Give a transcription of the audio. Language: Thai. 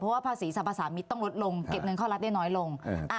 เพราะว่าภาษีสรรพสามิตรต้องลดลงเก็บเงินเข้ารัฐได้น้อยลง